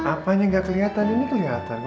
apaan nya gak keliatan ini keliatan